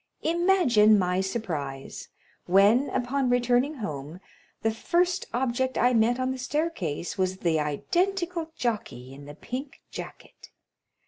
Imagine my surprise, when, upon returning home, the first object I met on the staircase was the identical jockey in the pink jacket!